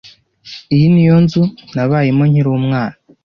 Iyi ni yo nzu nabayemo nkiri umwana.